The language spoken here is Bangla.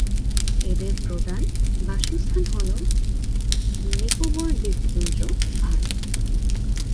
এদের প্রদান বাসস্থান হল নিকোবর দ্বীপপুঞ্জ, ভারত।